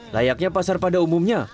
layaknya pasar pada umumnya